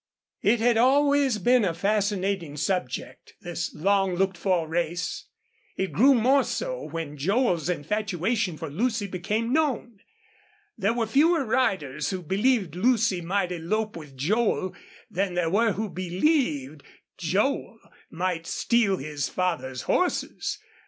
It had always been a fascinating subject, this long looked for race. It grew more so when Joel's infatuation for Lucy became known. There were fewer riders who believed Lucy might elope with Joel than there were who believed Joel might steal his father's horses.